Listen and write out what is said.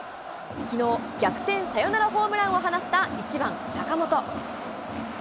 きのう、逆転サヨナラホームランを放った１番坂本。